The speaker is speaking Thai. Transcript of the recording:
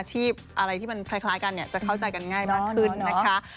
อะไรที่มันคล้ายกันเนี่ยจะเข้าใจกันง่ายมากขึ้นนะคะ